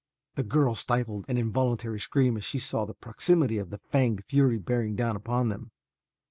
The girl stifled an involuntary scream as she saw the proximity of the fanged fury bearing down upon them.